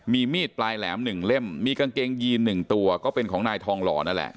มีมีดปลายแหลม๑เล่มมีกางเกงยีน๑ตัวก็เป็นของนายทองหล่อนั่นแหละ